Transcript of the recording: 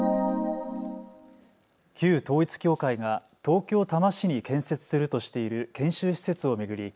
旧統一教会が東京多摩市に建設するとしている研修施設を巡り